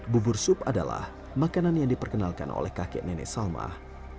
bubur sup adalah makanan yang diperkenalkan oleh kakek nenek salmah